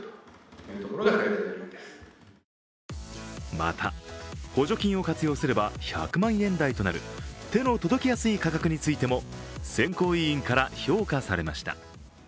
また、補助金を活用すれば１００万円台となる手の届きやすい価格についても選考委員から評価されました。